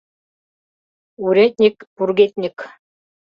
Урядник-пургедньык...